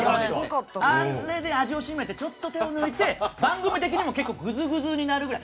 あれで味を占めてちょっと手を抜いて番組的にもぐずぐずになるぐらい。